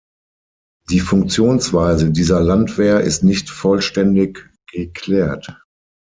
Die Funktionsweise dieser Landwehr ist nicht vollständig geklärt.